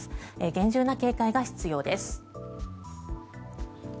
厳重な警戒が必要です。